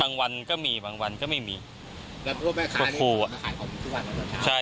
บางวันก็มีบางวันก็ไม่มีแล้วพวกแม่ค้านี่มาขายของทุกวันตอนเช้า